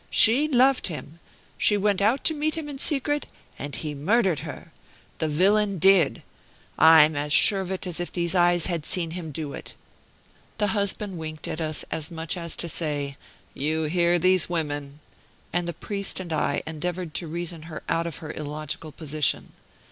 "She loved him. She went out to meet him in secret, and he murdered her the villain did. I'm as sure of it as if these eyes had seen him do it." The husband winked at us, as much as to say, "You hear these women!" and the priest and I endeavored to reason her out of her illogical position.